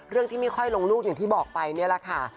ที่ไม่ค่อยลงลูกอย่างที่บอกไปนี่แหละค่ะ